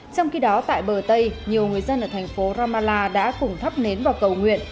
trong khi đó tại bờ tây nhiều người dân ở thành phố ramallah đã cùng thắp nến vào cầu nguyện